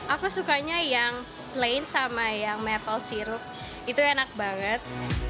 aku sukanya yang plain sama yang metal sirup itu enak banget